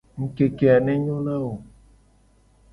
Ngukeke a ne nyo na wo.